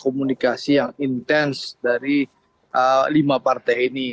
komunikasi yang intens dari lima partai ini